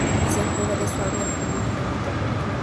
Hacia el Jura de Suabia el hundimiento aumenta paulatinamente.